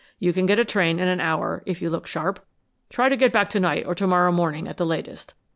You can get a train in an hour, if you look sharp. Try to get back to night or to morrow morning at the latest.